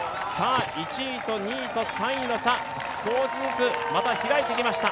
１位と２位と３位の差、少しずつまた開いてきました。